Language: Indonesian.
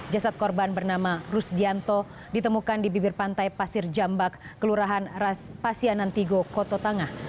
jasad korban bernama rusdianto ditemukan di bibir pantai pasir jambak kelurahan pasianantigo kota tangah